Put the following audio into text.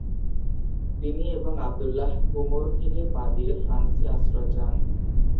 তিনি এবং আবদুল্লাহ কোমোর থেকে পালিয়ে ফ্রান্সে আশ্রয় চান।